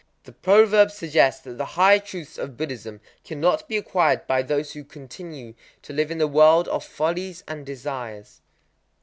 The proverb suggests that the higher truths of Buddhism cannot be acquired by those who continue to live in the world of follies and desires.